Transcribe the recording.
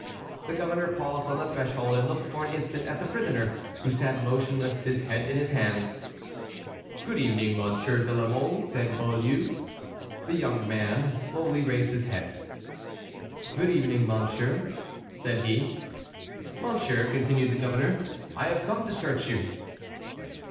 The governor paused on the threshold and looked for an instant at the prisoner, who sat motionless, his head in his hands. "Good evening, Monsieur de la Mole," said Beaulieu. The young man slowly raised his head. "Good evening, monsieur," said he. "Monsieur," continued the governor, "I have come to search you."